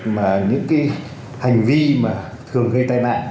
mà những cái hành vi mà thường gây tai nạn